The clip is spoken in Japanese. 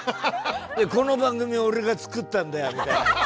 「この番組俺が作ったんだよ」みたいな。